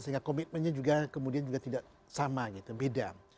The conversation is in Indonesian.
sehingga komitmennya juga kemudian juga tidak sama gitu beda